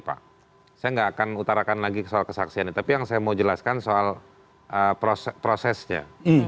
pak saya nggak akan utarakan lagi soal kesaksiannya tapi yang saya mau jelaskan soal prosesnya